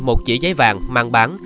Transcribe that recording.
một chỉ giấy vàng mang bán